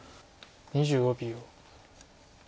２５秒。